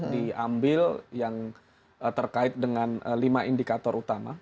diambil yang terkait dengan lima indikator utama